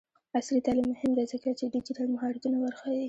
عصري تعلیم مهم دی ځکه چې ډیجیټل مهارتونه ورښيي.